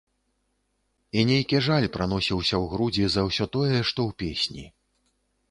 І нейкі жаль праносіўся ў грудзі за ўсё тое, што ў песні.